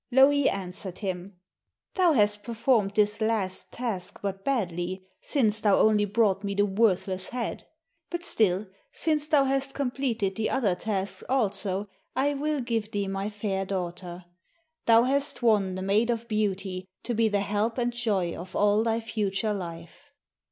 Louhi answered him: 'Thou hast performed this last task but badly, since thou only brought me the worthless head. But still, since thou hast completed the other tasks also, I will give thee my fair daughter. Thou hast won the Maid of Beauty, to be the help and joy of all thy future life.'